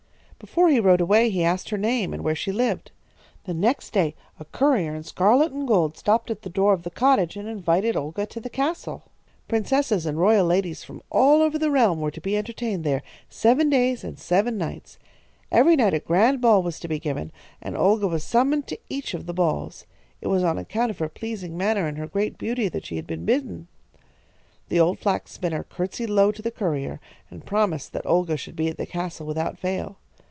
"Before he rode away he asked her name and where she lived. The next day a courier in scarlet and gold stopped at the door of the cottage and invited Olga to the castle. Princesses and royal ladies from all over the realm were to be entertained there, seven days and seven nights. Every night a grand ball was to be given, and Olga was summoned to each of the balls. It was on account of her pleasing manner and her great beauty that she had been bidden. "The old flax spinner curtsied low to the courier and promised that Olga should be at the castle without fail.